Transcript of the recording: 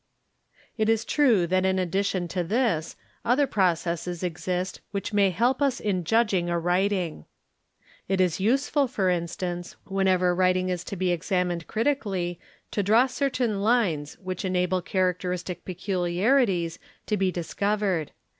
It is true that in addition 5 to this, other processes exist which may help us in judging a writing. 5, Fig. 8. It is useful for instance whenever writing is to be examined critically 'draw certain lines which enable characteristic peculiarities to be dis vered.